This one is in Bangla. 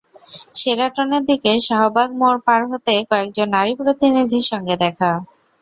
শেরাটনের দিকে শাহবাগ মোড় পার হতে কয়েকজন নারী প্রতিনিধির সঙ্গে দেখা।